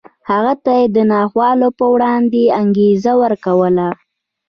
هغه ته یې د ناخوالو په وړاندې انګېزه ورکوله